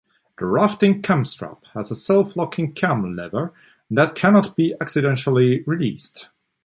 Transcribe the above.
The rafting cam strap has a self-locking cam lever that cannot be accidentally released.